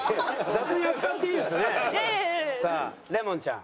さあレモンちゃん。